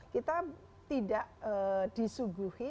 kita tidak disuguhi